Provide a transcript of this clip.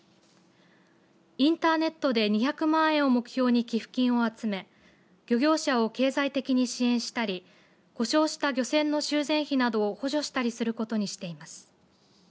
インターネットで２００万円を目標に寄付金を集め漁業者を経済的に支援したり故障した漁船の修繕費などを補助したりすることにしています。